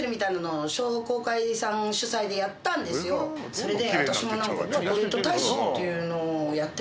それで。